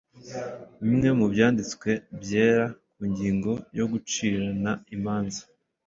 bimwe mu Byanditswe Byera ku ngingo yo gucirirana imanza